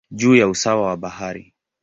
juu ya usawa wa bahari.